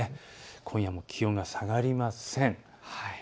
今夜も気温が下がりません。